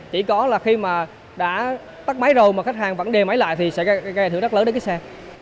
chỉ có là khi mà đã tắt máy rồi mà khách hàng vẫn đề máy lại thì sẽ gây thử thách lớn đến cái xe